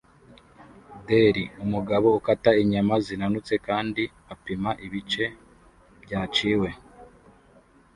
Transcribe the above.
Deli umugabo ukata inyama zinanutse kandi apima ibice byaciwe